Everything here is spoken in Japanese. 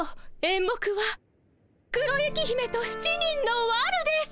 演目は「黒雪姫と７人のわる」です。